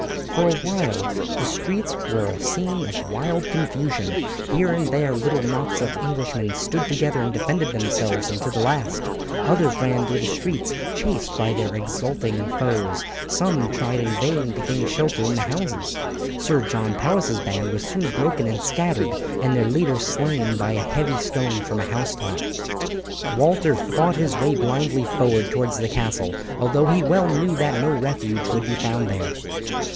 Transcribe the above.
For a while the streets were a scene of wild confusion; here and there little knots of Englishmen stood together and defended themselves until the last, others ran through the streets chased by their exulting foes, some tried in vain to gain shelter in the houses. Sir John Powis's band was soon broken and scattered, and their leader slain by a heavy stone from a housetop. Walter fought his way blindly forward towards the castle although he well knew that no refuge would be found there.